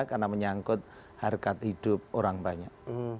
karena menyangkut harga hidup orang banyak